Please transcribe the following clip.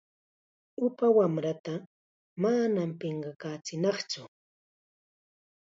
Upa wamrata manam pinqakachinatsu.